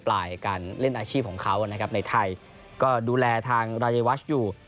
ปลายการเล่นอาชีพของเขานะครับในไทยก็ดูแลทางรายวัชอยู่